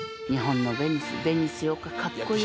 ベニスよりかっこいい？